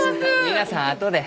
皆さんあとで。